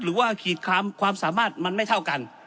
ขีดความสามารถมันไม่เท่ากัน